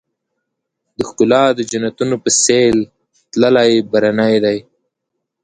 د ښــــــــکلا د جنــــــتونو په ســـــــېل تللـــــــی برنی دی